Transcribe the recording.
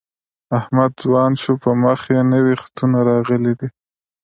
احمد ځوان شو په مخ یې نوي خطونه راغلي دي.